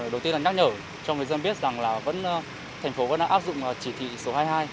đầu tiên là nhắc nhở cho người dân biết rằng là vẫn thành phố vẫn đã áp dụng chỉ thị số hai mươi hai